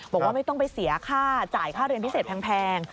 บอกว่าไม่ต้องไปเสียค่าจ่ายค่าเรียนพิเศษแพง